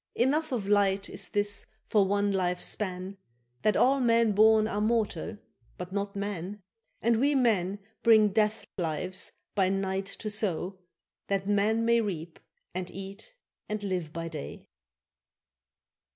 —Enough of light is this for one life's span, That all men born are mortal, but not man: And we men bring death lives by night to sow, That man may reap and eat and live by day.